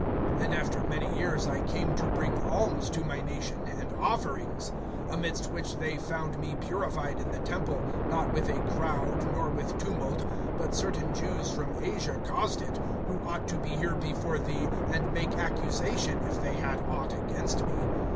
(17)And after many years I came to bring alms to my nation, and offerings. (18)Amidst which they found me purified in the temple, not with a crowd, nor with tumult; but certain Jews from Asia [caused it], (19)who ought to be here before thee, and make accusation, if they had aught against me.